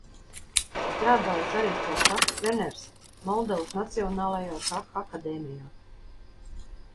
Strādājis arī kā šaha treneris Moldovas nacionālajā šaha akadēmijā.